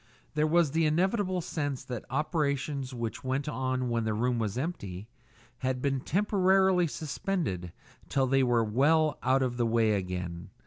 There was the inevitable sense that operations which went on when the room was empty had been temporarily suspended till they were well out of the way again.